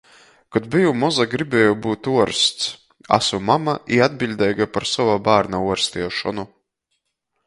Kod beju moza, gribieju byut uorsts. Asu mama i atbiļdeiga par sovu bārnu uorstiešonu.